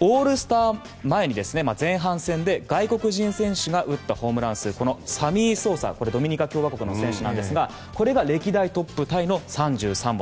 オールスター前に前半戦で外国人選手が打ったホームラン数サミー・ソーサドミニカ共和国の選手なんですが歴代トップタイの３３本。